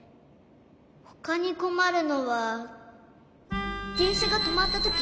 ほかにこまるのはでんしゃがとまったとき。